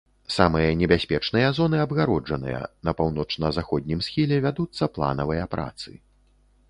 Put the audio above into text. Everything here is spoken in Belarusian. Самыя небяспечныя зоны абгароджаныя, на паўночна-заходнім схіле вядуцца планавыя працы.